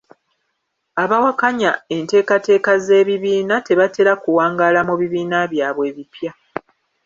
Abawakanya enteekateeka z'ebibiina tebatera kuwangaala mu bibiina byabwe ebipya.